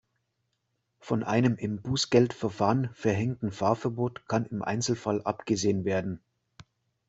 Von einem im Bußgeldverfahren verhängten Fahrverbot kann im Einzelfall abgesehen werden.